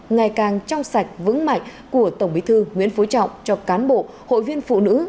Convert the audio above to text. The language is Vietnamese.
ngày càng trong sạch vững mạnh của tổng bí thư nguyễn phú trọng cho cán bộ hội viên phụ nữ